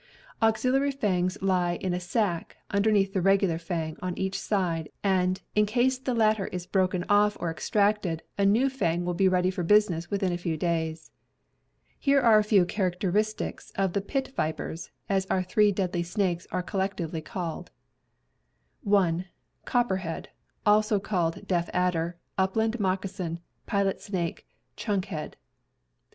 Auxiliary fangs lie in a sac underneath the regular fang on each side, and, in case the latter is broken off or extracted, a new fang will be ready for business within a few days. Here are a few characteristics of the pit vipers, as our three deadly snakes are collectively called: 1. Copperhead (also called deaf adder, upland moccasin, pilot snake, chunk head).